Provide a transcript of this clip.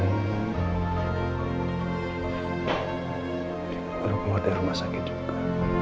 kamu kematian rumah sakit juga